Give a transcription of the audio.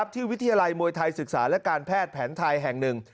วิทยาลัยมวยไทยศึกษาและการแพทย์แผนไทยแห่งหนึ่ง